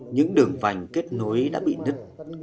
những đường vành kết nối đã bị nứt